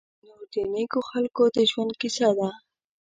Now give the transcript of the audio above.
تنور د نیکو خلکو د ژوند کیسه ده